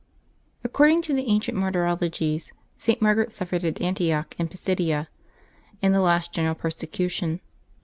a c CORDING to the ancient Martyrologies, St. Margaret suffered at Antioch in Pisidia, in the last general persecution.